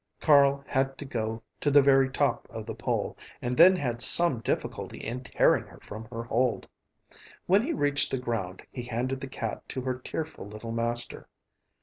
Carl had to go to the very top of the pole, and then had some difficulty in tearing her from her hold. When he reached the ground, he handed the cat to her tearful little master.